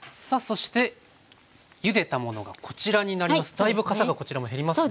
だいぶかさがこちらも減りますね。